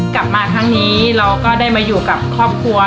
กลับมาครั้งนี้เราก็ได้มาอยู่กับครอบครัว